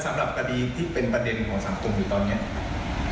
สำหรับคดีที่เป็นประเด็นของสังคมอยู่ตอนนี้ครับ